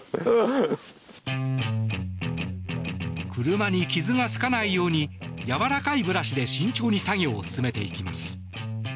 車に傷がつかないようにやわらかいブラシで慎重に作業を進めていきます。